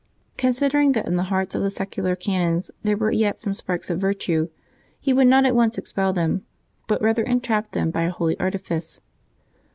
Considering that in the hearts of the secular canons there were yet some sparks of virtue, he would not at once expel them, but rather entrapped them by a holy artifice.